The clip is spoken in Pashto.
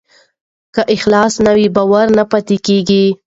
که اخلاص نه وي، باور نه پاتې کېږي.